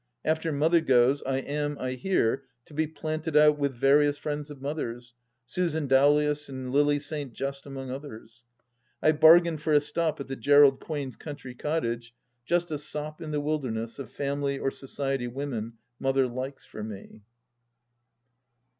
After Mother goes I am, I hear, to be planted out with various friends of Mother's — Susan Dowlais and Lily St. Just among others. I have bargained for a time at the Grerald Quains' country cottage — just a sop in the wilderness of Family or Society women Mother likes for me.